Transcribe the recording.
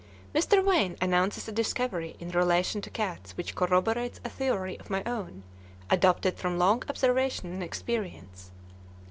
Mr. Wain announces a discovery in relation to cats which corroborates a theory of my own, adopted from long observation and experience.